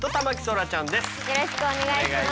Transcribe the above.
よろしくお願いします。